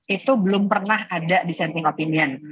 itu belum pernah ada dissenting opinion